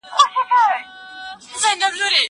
زه پرون سپينکۍ پرېولم وم؟!